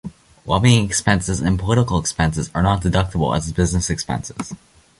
Lobbying expenses and political expenses are not deductible as business expenses.